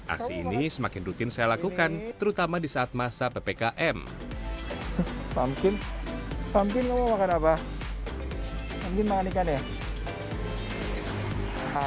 aksi ini semakin rutin saya lakukan terutama di saat masa ppkm mungkin mungkin makan apa